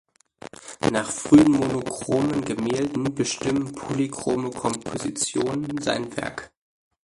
Nach frühen monochromen Gemälden bestimmten polychrome Kompositionen sein Werk.